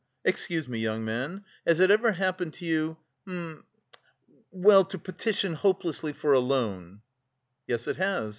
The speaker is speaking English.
Excuse me, young man, has it ever happened to you... hm... well, to petition hopelessly for a loan?" "Yes, it has.